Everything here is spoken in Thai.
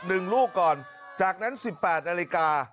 หนึ่งลูกก่อนจากนั้นสิบแปดนาฬิกา